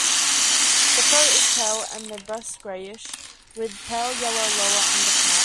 The throat is pale and the breast greyish, with pale yellow lower underparts.